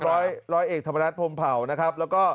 ร้อยเอกธรรมนักพวงเผานะครับ